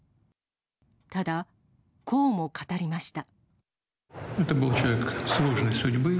ただ、こうも語りました。